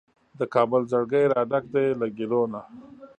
د کابل زړګی راډک دی له ګیلو نه